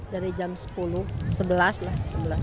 dari jam sepuluh sebelas lah